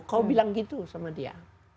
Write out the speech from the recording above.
kau bilang gitu sama dia